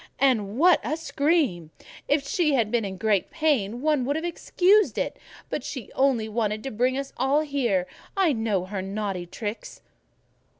"And what a scream! If she had been in great pain one would have excused it, but she only wanted to bring us all here: I know her naughty tricks."